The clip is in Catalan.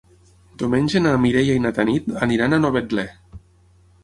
Diumenge na Mireia i na Tanit aniran a Novetlè.